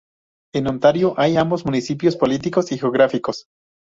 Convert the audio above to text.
En Ontario hay ambos, municipios políticos y geográficos.